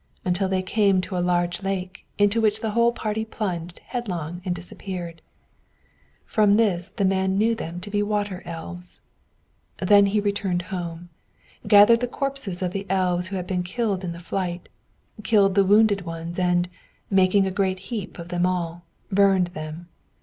until they came to a large lake, into which the whole party plunged headlong and disappeared. From this the man knew them to be water elves. Then he returned home, gathered the corpses of the elves who had been killed in the flight, killed the wounded ones, and, making a great heap of them all, burned them.